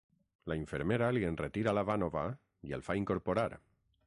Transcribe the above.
La infermera li enretira la vànova i el fa incorporar.